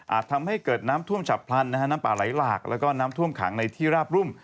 ทำให้เกิดน้ำท่วมฉับพลันนะฮะน้ำป่าไหลหลากแล้วก็น้ำท่วมขังในที่ราบรุ่ม